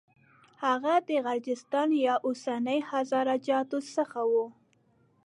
هغه د غرجستان یا اوسني هزاره جاتو څخه و.